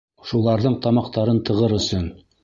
Шуларҙың тамаҡтарын тығыр өсөн!